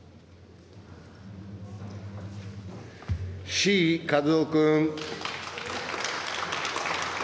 志位和夫君。